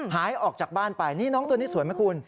หายออกจากบ้านไปนี่น้องตัวนี้สวยไหมคุณ